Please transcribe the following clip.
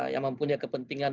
yang mempunyai kepentingan